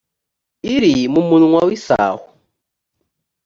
iri mu munwa w ‘isaho